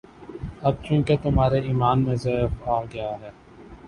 اب چونکہ تمہارے ایمان میں ضعف آ گیا ہے،